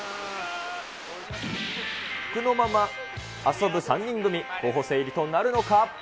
服のまま遊ぶ３人組、候補生入りとなるのか。